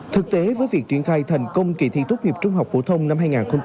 thực tế với việc triển khai thành công kỳ thi tốt nghiệp trung học phổ thông năm hai nghìn hai mươi